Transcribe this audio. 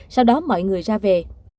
sau đó mọi người ra về